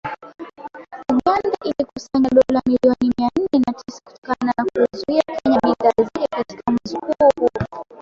Uganda ilikusanya dola milioni mia nne na tisa kutokana na kuiuzia Kenya bidhaa zake katika mwezi huo huo